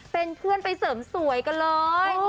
เป็นเพื่อนไปเสริมสวยกันเลย